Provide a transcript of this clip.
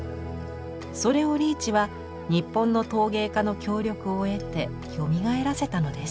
それをリーチは日本の陶芸家の協力を得てよみがえらせたのです。